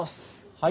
はい？